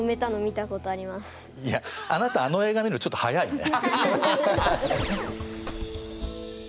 いやあなたあの映画見るのちょっと早いね。